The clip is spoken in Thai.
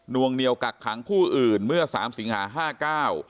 นวงเหนียวกักขังผู้อื่นเมื่อ๓สิงหา๕๙